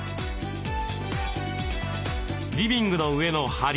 リビングの上の梁